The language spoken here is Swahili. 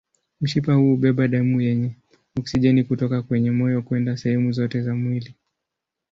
Mshipa huu hubeba damu yenye oksijeni kutoka kwenye moyo kwenda sehemu zote za mwili.